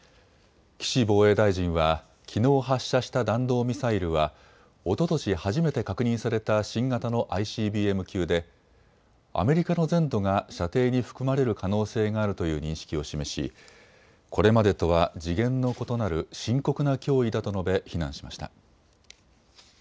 岸防衛大臣は、きのう発射した弾道ミサイルはおととし初めて確認された新型のＩＣＢＭ級でアメリカの全土が射程に含まれる可能性があるという認識を示しこれまでとは次元の異なる深刻な脅威だと述べ非難しました。